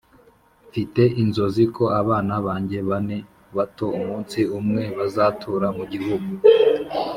mfite inzozi ko abana banjye bane bato umunsi umwe bazatura mugihugu